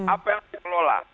apa yang dikelola